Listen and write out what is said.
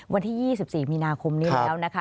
วันที่๒๔มีนาคมนี้แล้วนะคะ